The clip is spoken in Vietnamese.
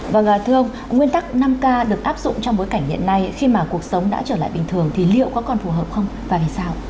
vâng thưa ông nguyên tắc năm k được áp dụng trong bối cảnh hiện nay khi mà cuộc sống đã trở lại bình thường thì liệu có còn phù hợp không và vì sao